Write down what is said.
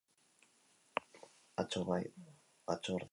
Atzo, ordea, bai.